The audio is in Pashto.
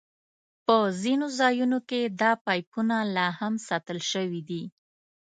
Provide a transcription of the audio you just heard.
په ځینو ځایونو کې دا پایپونه لاهم ساتل شوي دي.